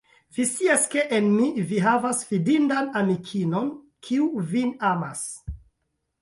Vi scias, ke en mi vi havas fidindan amikinon, kiu vin amas.